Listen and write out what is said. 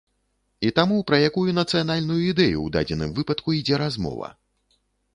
І таму пра якую нацыянальную ідэю ў дадзеным выпадку ідзе размова?